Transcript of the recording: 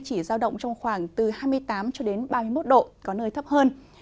chỉ giao động trong khoảng hai mươi tám ba mươi một độ có nơi thấp hơn